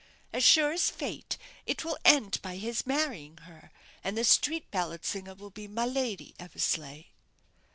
As sure as fate, it will end by his marrying her and the street ballad singer will be my Lady Eversleigh."